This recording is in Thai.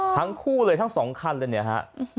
ทั้งคู่เลยทั้งสองคันเลยเนี่ยฮะ